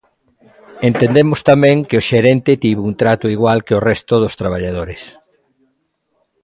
Entendemos tamén que o xerente tivo un trato igual que o resto dos traballadores.